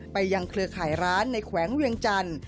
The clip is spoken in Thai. ยังเครือข่ายร้านในแขวงเวียงจันทร์